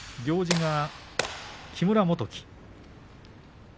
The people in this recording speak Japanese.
行司が木村元基。